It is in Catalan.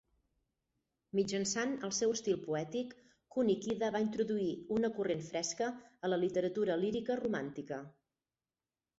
Mitjançant el seu estil poètic, Kunikida va introduir una corrent fresca a la literatura lírica romàntica.